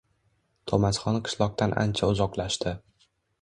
To’masxon qishloqdan ancha uzoqlashdi.